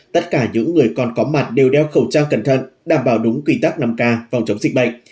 tất cả những người còn có mặt đều đeo khẩu trang cẩn thận đảm bảo đúng quy tắc năm k phòng chống dịch bệnh